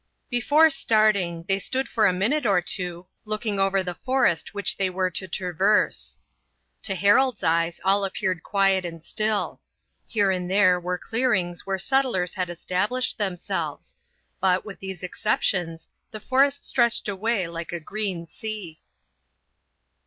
Before starting they stood for a minute or two looking over the forest which they were to traverse. To Harold's eyes all appeared quiet and still. Here and there were clearings where settlers had established themselves; but, with these exceptions, the forest stretched away like a green sea.